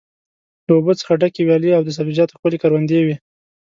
له اوبو څخه ډکې ویالې او د سبزیجاتو ښکلې کروندې وې.